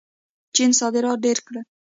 چین صادرات ډېر کړل.